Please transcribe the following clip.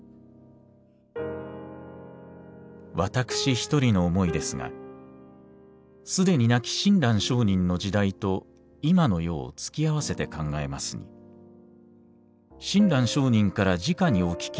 「私一人の思いですがすでに亡き親鸞聖人の時代と今の世を突き合わせて考えますに親鸞聖人から直にお聞きした真実の教えと